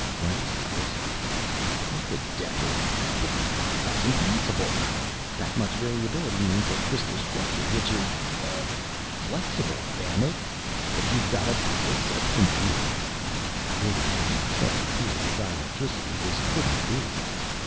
Lancaster whistled. "What the devil but that's impossible! That much variability means a crystal structure which is uh flexible, damn it! But you've got a brittle substance here " According to the accepted theory of dielectricity, this couldn't be.